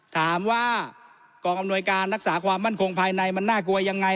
ถามว่ากองอำนวยการรักษาความมั่นคงภายในมันน่ากลัวยังไง